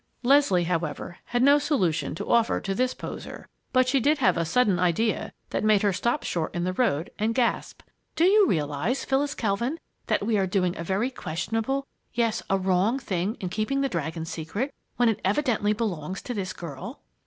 Leslie, however, had no solution to offer to this poser, but she did have a sudden idea that made her stop short in the road and gasp: "Do you realize, Phyllis Kelvin, that we are doing a very questionable yes, a wrong thing in keeping the 'Dragon's Secret,' when it evidently belongs to this girl?"